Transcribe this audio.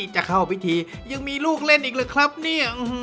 จะเข้าพิธียังมีลูกเล่นอีกหรือครับเนี่ย